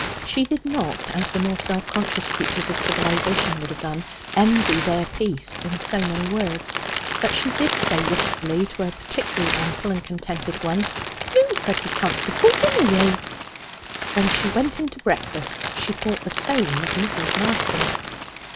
She did not, as the more self conscious creatures of civilization would have done, envy their peace in so many words. But she did say wistfully to a particularly ample and contented one, 'You'm pretty comfortable, binna you?' When she went in to breakfast she thought the same of Mrs. Marston.